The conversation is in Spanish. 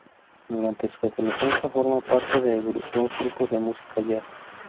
Durante su adolescencia forma parte de dos grupos de música jazz.